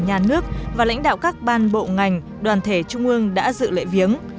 nhà nước và lãnh đạo các ban bộ ngành đoàn thể trung ương đã dự lệ viếng